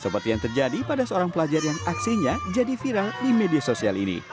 seperti yang terjadi pada seorang pelajar yang aksinya jadi viral di media sosial ini